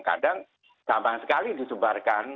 kadang gampang sekali disebarkan